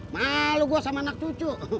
malu gue sama anak cucu